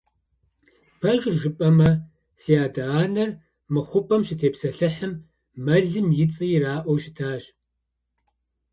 - Пэжыр жыпӀэмэ, си адэ-анэр мы хъупӀэм щытепсэлъыхьым, мэлым и цӀи ираӀуэу щытащ…